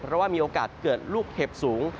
เพราะว่ามีโอกาสเกิดลูกเห็บสูง